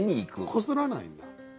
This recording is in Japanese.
こすらないんだ。